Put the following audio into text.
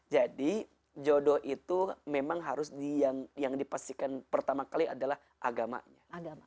jodoh itu memang harus yang dipastikan pertama kali adalah agamanya